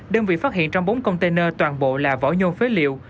đơn vị phát hiện trong bốn container toàn bộ là vỏ nhôm phế liệu